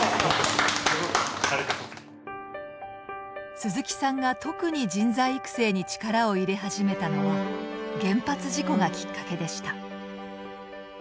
鈴木さんが特に人材育成に力を入れ始めたのは原発事故がきっかけでした。